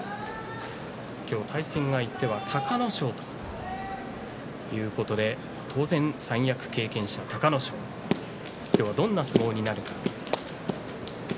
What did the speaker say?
今日、対戦相手は隆の勝ということで当然三役経験者、隆の勝今日はどんな相撲になるか。